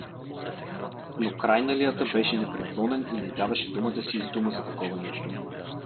Но Крайналията беше непреклонен и не даваше дума да се издума за такова нещо.